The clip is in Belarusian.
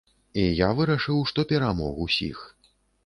І я вырашыў, што перамог усіх.